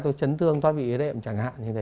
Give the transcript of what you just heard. tôi chấn thương thoát bị ế đệm chẳng hạn như thế